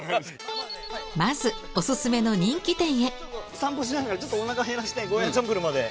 散歩しながらちょっとおなか減らしてゴーヤーチャンプルーまで。